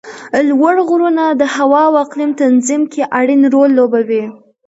لوړ غرونه د هوا او اقلیم تنظیم کې اړین رول لوبوي